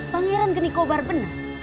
pangeran genikobar benar